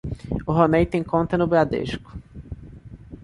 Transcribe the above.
O Ronei tem conta no Bradesco.